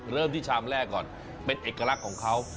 เริ่มที่ชามแรกก่อนเป็นเอกลักษณ์ของเขา